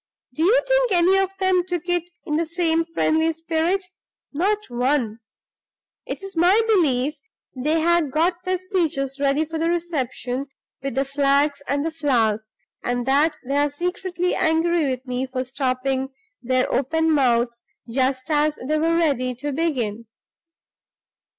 Do you think any of them took it in the same friendly spirit? Not one! It's my belief they had got their speeches ready for the reception, with the flags and the flowers, and that they're secretly angry with me for stopping their open mouths just as they were ready to begin.